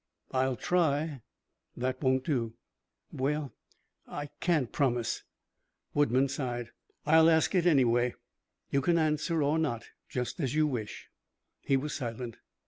"I'll try." "That won't do." "Well I can't promise." Woodman sighed. "I'll ask it anyway. You can answer or not just as you wish." He was silent.